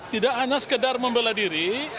tidak hanya sekedar membela diri